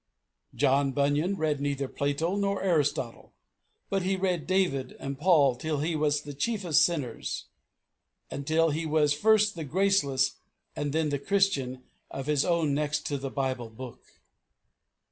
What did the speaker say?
John Bunyan read neither Plato nor Aristotle, but he read David and Paul till he was the chief of sinners, and till he was first the Graceless and then the Christian of his own next to the Bible book.